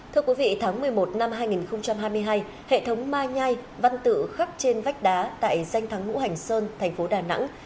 thưa quý vị tháng một mươi một năm hai nghìn hai mươi hai hệ thống mai nhai văn tự khắc trên vách đá tại danh thắng ngũ hành sơn thành phố đà nẵng